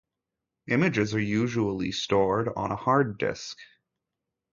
Images are usually stored on a hard disk.